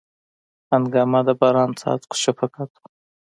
هنګامه د باران څاڅکو شفقت و